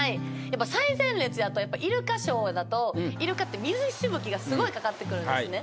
やっぱ最前列やとイルカショーだとイルカって水しぶきがすごい掛かってくるんですね。